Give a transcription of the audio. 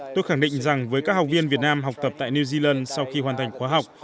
tôi khẳng định rằng với các học viên việt nam học tập tại new zealand sau khi hoàn thành khóa học